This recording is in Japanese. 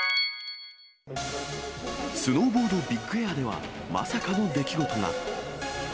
スノーボードビッグエアでは、まさかの出来事が。